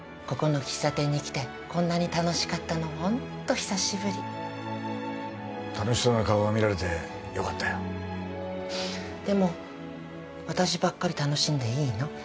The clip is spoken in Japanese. ここの喫茶店に来てこんなに楽しかったのホント久しぶり楽しそうな顔が見られてよかったよでも私ばっかり楽しんでいいの？